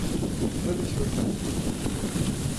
Мы до всего сами.